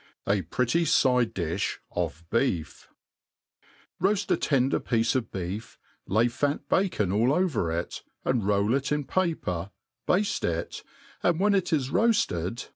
A pretty Side Dljh of Beef. ROAST a tendor piece of bcef,,ky fat bacon all over it, and roll it in paper^ bafte k, and when it is roafted